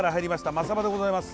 マサバでございます。